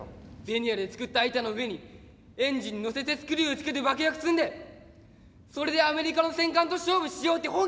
ベニアで作った板の上にエンジン載せてスクリューつけて爆薬積んでそれでアメリカの戦艦と勝負しようって本気で考えとるんです。